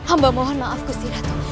ambah mohon maaf kusiratu